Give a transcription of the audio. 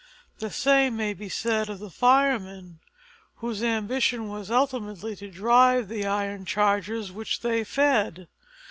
The same may be said of the firemen, whose ambition was ultimately to drive the iron chargers which they fed.